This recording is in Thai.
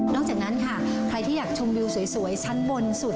จากนั้นค่ะใครที่อยากชมวิวสวยชั้นบนสุด